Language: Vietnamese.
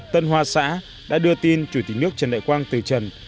tân hoa xã đã đưa tin chủ tịch nước trần đại quang từ trần